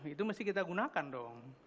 itu mesti kita gunakan dong